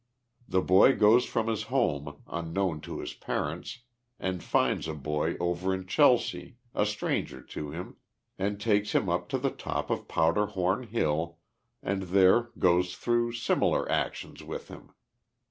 The boy goes from his home, unknown to his parents, and finds a boy over in Chelsea, a stranger to him, and takes him up to the top of Powder Horn Hill and there goes through similar actions with him.